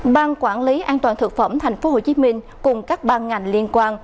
ban quản lý an toàn thực phẩm tp hcm cùng các ban ngành liên quan